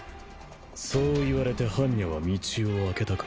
そう言われて般若は道をあけたか？